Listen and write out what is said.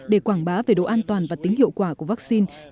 để quảng bá về độ an toàn và tính hiệu quả của vaccine